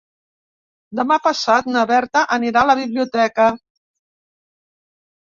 Demà passat na Berta anirà a la biblioteca.